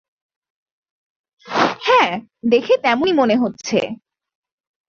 হ্যাঁ, দেখে তেমনই মনে হচ্ছে।